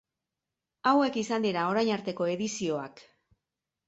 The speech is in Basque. Hauek izan dira orain arteko edizioak.